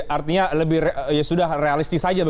artinya sudah realistis aja